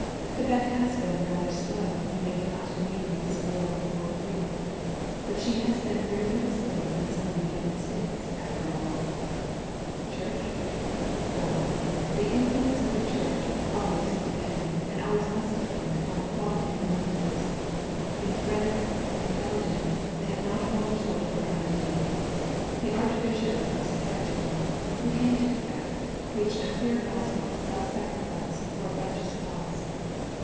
Quebec has been rather slow in waking up to the meaning of this war for world freedom. But she has been very little slower than some of the United States, after all. The Church? Well, the influence of the Church always has depended and always must depend upon the quaUty of her ministers. In France, in Belgium, they have not fallen short of their high duty. The Archbishop of Saskatchewan, who came to Quebec, precu^hed a clear gospel of self sacrifice for a right eous cause.